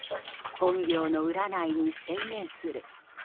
本業の占いに専念する。